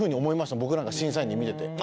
僕なんか審査員で見てて。